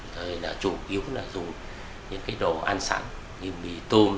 thời là chủ yếu là dùng những cái đồ ăn sẵn như mì tôm